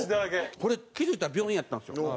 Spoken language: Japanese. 俺気付いたら病院やったんですよ。